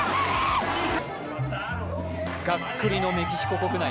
がっくりのメキシコ国内。